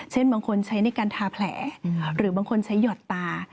บางคนใช้ในการทาแผลหรือบางคนใช้หยอดตา